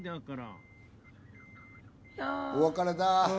お別れだ。